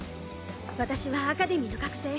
私はアカデミーの学生。